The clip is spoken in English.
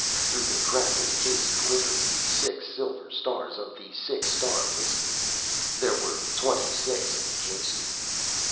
Through the crack in the case glittered the six silver stars of the Six Star whiskey. There were twenty six of the cases.